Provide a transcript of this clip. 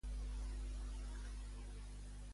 Una bona refrescada va fer ahir